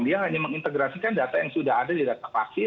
dia hanya mengintegrasikan data yang sudah ada di data vaksin